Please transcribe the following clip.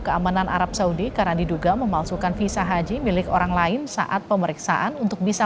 keamanan arab saudi karena diduga memalsukan visa haji milik orang lain saat pemeriksaan untuk bisa